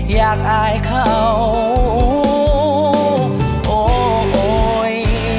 อยากอายเขาโอ้โหย